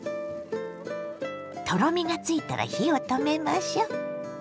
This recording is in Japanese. とろみがついたら火を止めましょ。